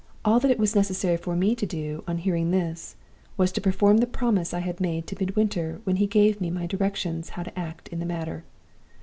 "All that it was necessary for me to do, on hearing this, was to perform the promise I had made to Midwinter, when he gave me my directions how to act in the matter.